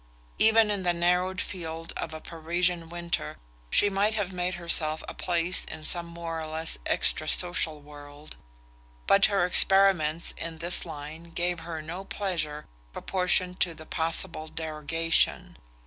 Even in the narrowed field of a Parisian winter she might have made herself a place in some more or less extra social world; but her experiments in this line gave her no pleasure proportioned to the possible derogation.